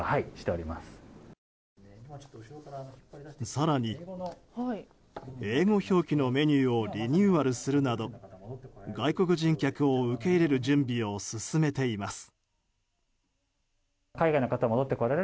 更に、英語表記のメニューをリニューアルするなど外国人客を受け入れる準備を進めています。